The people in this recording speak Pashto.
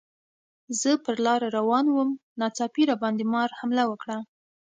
زه په لاره روان وم، ناڅاپي راباندې مار حمله وکړه.